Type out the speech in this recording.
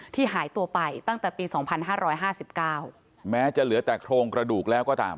หายตัวไปตั้งแต่ปี๒๕๕๙แม้จะเหลือแต่โครงกระดูกแล้วก็ตาม